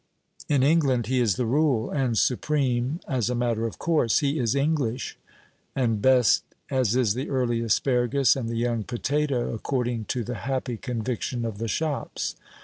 In England he is the rule, and supreme as a matter of course. He is "English," and best, as is the early asparagus and the young potato, according to the happy conviction of the shops.